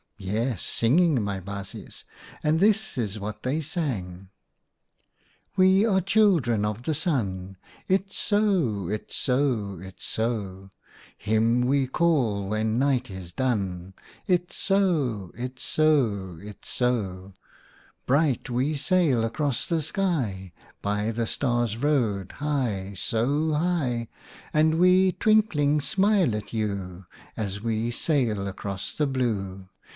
Yes, singing, my baasjes, and this is what they sang :— 1 We are children of the Sun ! It's so ! It's so ! It's so ! 66 OUTA KAREL'S STORIES Him we call when Night is done ! It's so ! It's so ! It's so ! Bright we sail across the sky By the Stars' Road, high, so high; And we, twinkling, smile at you, As we sail across the blue